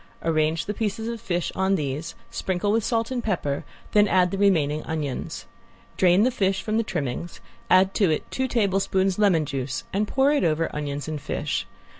Arrange the pieces of fish on these, sprinkle with salt and pepper, then add the remaining onions. Drain the fish from the trimmings, add to it two tablespoons lemon juice and pour it over onions and fish.